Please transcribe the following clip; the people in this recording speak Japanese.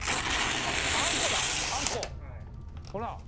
あんこだあんこ！ほら！